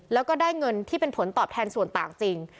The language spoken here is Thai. แล้วก็ได้เงินที่เป็นผลตอบแทนส่วนต่างจริง